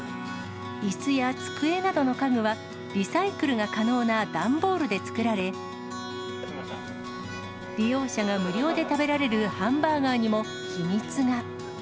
いすや机などの家具は、リサイクルが可能なダンボールで作られ、利用者が無料で食べられるハンバーガーにも秘密が。